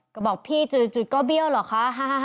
ก็บอกพี่จุดก็เบี้ยวเหรอคะ